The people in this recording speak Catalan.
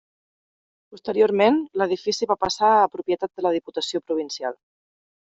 Posteriorment, l'edifici va passar a propietat de la Diputació Provincial.